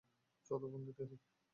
চলো, বন্ধু, খেলি।